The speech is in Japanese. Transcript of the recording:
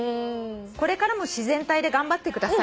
「これからも自然体で頑張ってください」